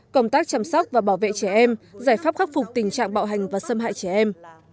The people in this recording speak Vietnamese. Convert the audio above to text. công tác chăm sóc và bảo vệ trẻ em giải pháp khắc phục tình trạng bạo hành và xâm hại trẻ em